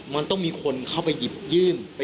มันต้องมีคนเข้าไปหยิบยื่น